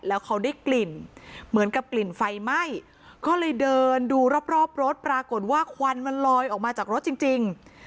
แล้วเขาได้กลิ่นเหมือนกับกลิ่นไฟไหม้ก็เลยเดินดูรอบรถปรากฏว่าควันมันลอยออกมาจากรถจริง